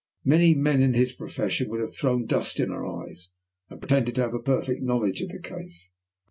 Many men in his profession would have thrown dust in our eyes, and have pretended to a perfect knowledge of the case."